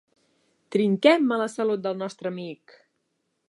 Trinquem a la salut del nostre amic!